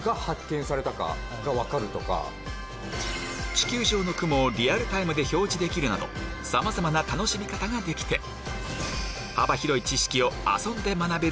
地球上の雲をリアルタイムで表示できるなどさまざまな楽しみ方ができて何？